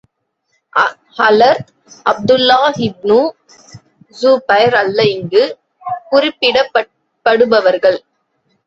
ஹலரத் அப்துல்லாஹ் இப்னு ஸுபைர் அல்ல இங்கு குறிப்பிடப்படுபவர்கள்.